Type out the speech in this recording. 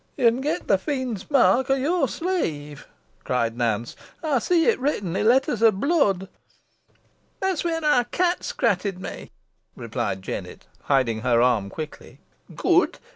"Ye'n gotten the fiend's mark o' your sleeve," cried Nance. "Ey see it written i' letters ov blood." "That's where our cat scratted me," replied Jennet, hiding her arm quickly. "Good!